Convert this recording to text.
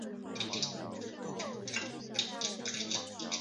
车站位于安徽省宿州市砀山县高铁新区薛口村。